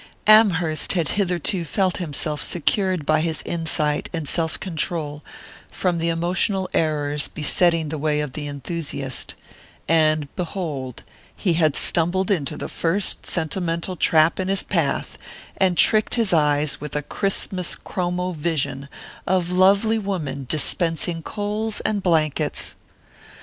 Amherst had hitherto felt himself secured by his insight and self control from the emotional errors besetting the way of the enthusiast; and behold, he had stumbled into the first sentimental trap in his path, and tricked his eyes with a Christmas chromo vision of lovely woman dispensing coals and blankets!